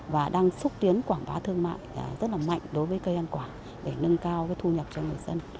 và đang xúc tiến quảng bá thương mại rất là mạnh đối với cây ăn quả để nâng cao thu nhập cho người dân